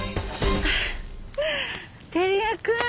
輝也くん。